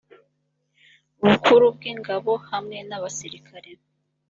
bukuru bw ingabo hamwe n abasirikare